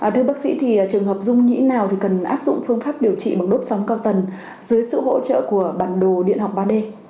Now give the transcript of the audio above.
thưa bác sĩ thì trường hợp dung nhĩ nào thì cần áp dụng phương pháp điều trị bằng đốt sóng cao tần dưới sự hỗ trợ của bản đồ điện học ba d